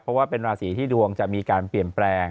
เพราะว่าเป็นราศีที่ดวงจะมีการเปลี่ยนแปลง